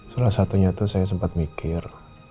salah satunya itu saya sempat mikir